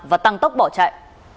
và tăng tốc bỏ chạy